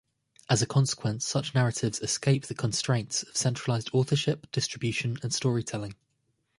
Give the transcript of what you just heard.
As a consequence, such narratives escape the constraints of centralized authorship, distribution, and storytelling.